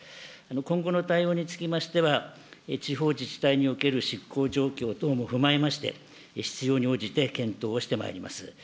今後の対応につきましては、地方自治体における執行状況等も踏まえまして、必要に応じて検討をしてまいります。